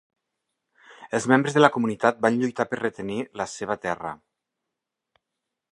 Els membres de la comunitat van lluitar per retenir la seva terra.